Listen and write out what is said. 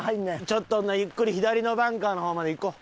ちょっとほんならゆっくり左のバンカーの方まで行こう。